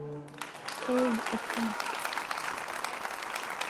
Эй, окмак!